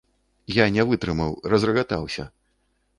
Я не вытрымаў, разрагатаўся.